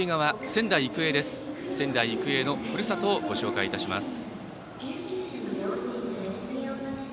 仙台育英のふるさとをご紹介いたします。